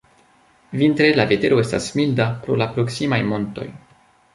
Vintre la vetero estas milda pro la proksimaj montoj.